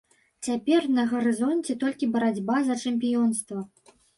Цяпер на гарызонце толькі барацьба за чэмпіёнства.